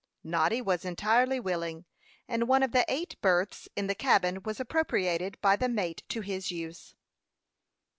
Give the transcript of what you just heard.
Noddy was entirely willing, and one of the eight berths in the cabin was appropriated by the mate to his use.